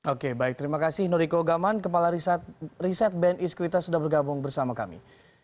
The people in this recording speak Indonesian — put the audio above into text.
oke baik terima kasih noriko ogaman kepala riset ben iskrita sudah bergabung bersama kami